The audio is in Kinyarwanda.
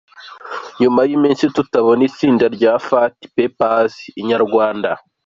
Nyuma y’iminsi tutabona itsinda rya Flat Papers Inyarwanda.